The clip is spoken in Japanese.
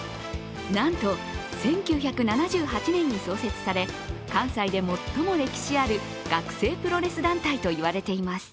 なんと１９７８年に創設され、関西で最も歴史ある学生プロレス団体と言われています。